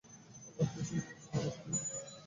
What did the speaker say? আমার কিছু জিনিস দোকানে ফিরিয়ে নিতে হবে।